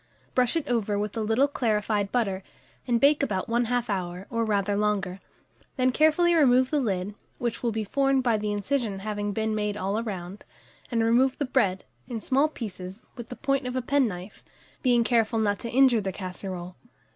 Brush it over with a little clarified butter, and bake about 1/2 hour, or rather longer; then carefully remove the lid, which will be formed by the incision having been made all round, and remove the bread, in small pieces, with the point of a penknife, being careful not to injure the casserole.